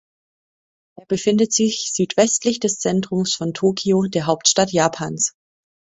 Er befindet sich südwestlich des Zentrums von Tokio, der Hauptstadt Japans.